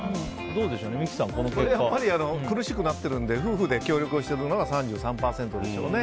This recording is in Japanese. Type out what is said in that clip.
これは苦しくなっているので夫婦で協力してるのが３３％でしょうね。